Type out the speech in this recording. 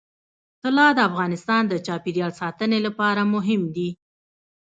طلا د افغانستان د چاپیریال ساتنې لپاره مهم دي.